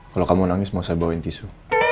kalau kamu nangis mau saya bawain tisu